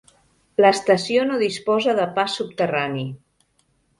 L'estació no disposa de pas subterrani.